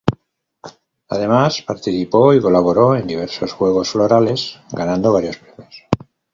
Además, participó y colaboró en diversos Juegos Florales, ganando varios premios.